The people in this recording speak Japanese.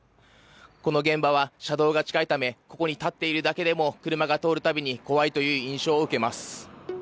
この現場は車道が近いため、ここに立っているだけでも、車が通るたびに怖いという印象を受けます。